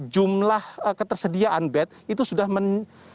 jumlah ketersediaan bed itu sudah mencapai